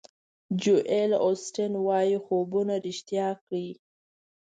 جویل اوسټین وایي خوبونه ریښتیا کړئ.